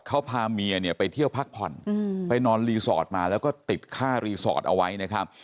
เขาพาเมียเนี่ยไปเที่ยวพักผ่อนไปนอนรีสอร์ทมาแล้วก็ติดค่ารีสอร์ทเอาไว้นะครับ